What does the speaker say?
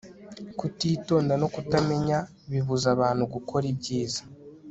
kutitonda no kutamenya bibuza abantu gukora ibyiza